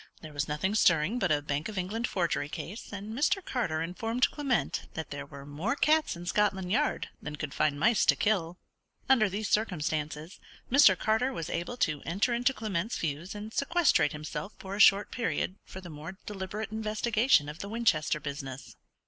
There was nothing stirring but a Bank of England forgery case; and Mr. Carter informed Clement that there were more cats in Scotland Yard than could find mice to kill. Under these circumstances, Mr. Carter was able to enter into Clement's views, and sequestrate himself for a short period for the more deliberate investigation of the Winchester business.